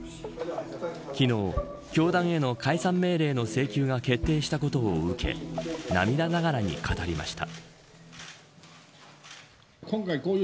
昨日教団への解散命令の請求が決定したことを受け涙ながらに語りました。